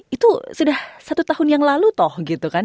itu sudah satu tahun yang lalu toh gitu kan